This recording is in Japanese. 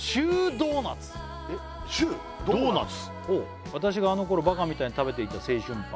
ドーナツドーナツ「私があの頃バカみたいに食べていた青春パンは」